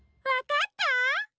わかった？